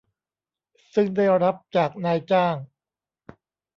ซึ่งได้รับจากนายจ้าง